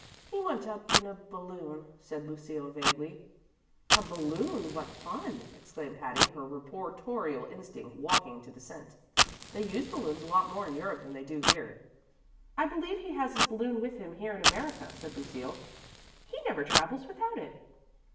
"He went up in a balloon," said Lucille, vaguely. "A balloon! What fun!" exclaimed Patty, her reportorial instinct waking to the scent. "They use balloons a lot more in Europe than they do here." "I believe he has his balloon with him here in America," said Lucille. "He never travels without it."